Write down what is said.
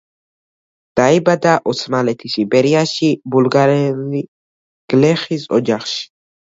დაიბადა ოსმალეთის იმპერიაში, ბულგარელი გლეხის ოჯახში.